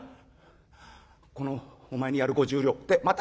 このお前にやる５０両でまた